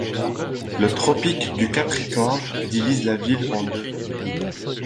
Le tropique du Capricorne divise la ville en deux.